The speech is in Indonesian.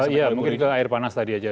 iya mungkin itu air panas tadi aja